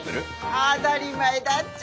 当たり前だっちゃ！